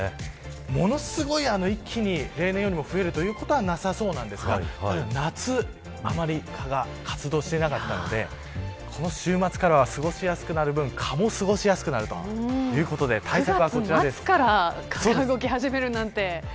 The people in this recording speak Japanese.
ものすごい一気に例年よりも増えるということはなさそうですが夏、あまり蚊が活動していなかったのでこの週末からは過ごしやすくなる蚊も過ごしやすくなる９月末から蚊が動き始めるなんて。